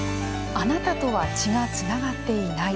あなたとは血がつながっていない。